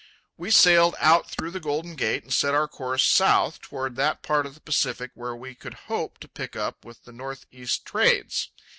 We sailed out through the Golden Gate and set our course south toward that part of the Pacific where we could hope to pick up with the north east trades.